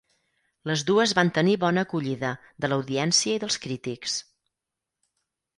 Les dues van tenir bona acollida de l'audiència i dels crítics.